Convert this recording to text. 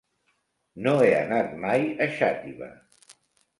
No he anat mai a Xàtiva.